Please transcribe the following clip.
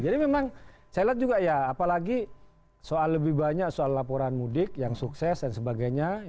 jadi memang saya lihat juga ya apalagi soal lebih banyak soal laporan mudik yang sukses dan sebagainya